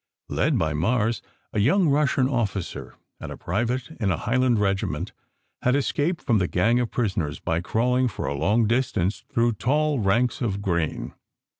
Led by Mars, a young Russian officer and a private in a Highland regiment had escaped from the gang of prisoners by crawling for a long distance through tall ranks of grain.